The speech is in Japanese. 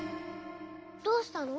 どうしたの？